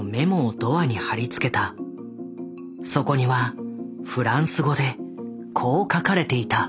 そこにはフランス語でこう書かれていた。